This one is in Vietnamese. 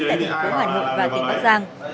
tại tỉnh phú hoàng nội và tỉnh bắc giang